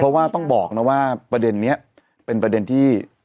เพราะว่าต้องบอกนะว่าประเด็นนี้เป็นประเด็นที่